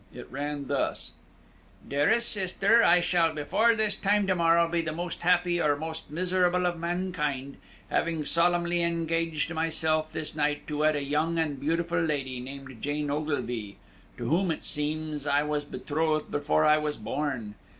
It ran thus: "DEAREST SISTER, I shall before this time to morrow be the most happy, or most miserable, of mankind, having solemnly engaged myself this night to wed a young and beautiful lady, named Jane Ogilvie, to whom it seems I was betrothed before I was born.